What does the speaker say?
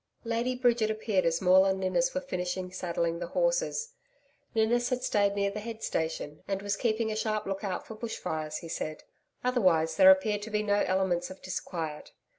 Lady Bridget appeared as Maule and Ninnis were finishing saddling the horses. Ninnis had stayed near the head station, and was keeping a sharp look out for bush fires, he said. Otherwise, there appeared to be no elements of disquiet.